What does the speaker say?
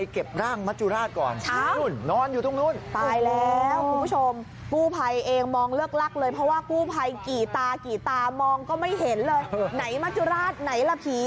ก็ไม่เห็นเลยไหนมัจจุราตไหนละผี